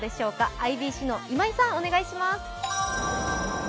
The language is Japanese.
ＩＢＣの今井さん、お願いします。